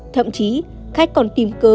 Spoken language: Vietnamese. thậm chí khách còn tìm cớ